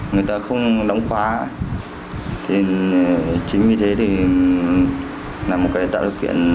người ta không đóng khóa chính vì thế thì là một cái tạo thực hiện